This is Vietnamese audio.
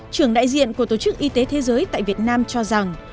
trưởng đại diện của tổ chức y tế thế giới tại việt nam cho rằng